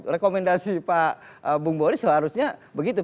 rekomendasi pak bung boris seharusnya begitu